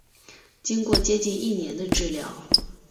经过接近一年的治疗